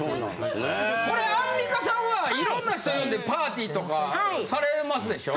これアンミカさんは色んな人呼んでパーティーとかされますでしょ？